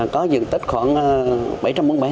có dựng tích khoảng bảy trăm linh m hai